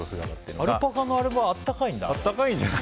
アルパカのあれは温かいんだ？